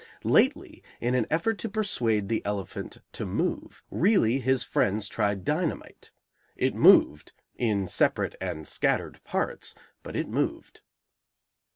Lately, in an effort to persuade the elephant to move, really, his friends tried dynamite. It moved, in separate and scattered parts, but it moved.